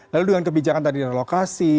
lalu dengan kebijakan tadi relokasi